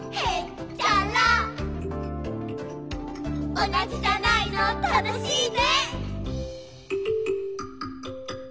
「おなじじゃないのたのしいね」